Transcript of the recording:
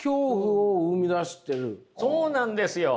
そうなんですよ。